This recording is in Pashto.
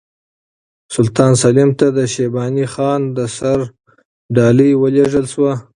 سلطان سلیم ته د شیباني خان د سر ډالۍ ولېږل شوه.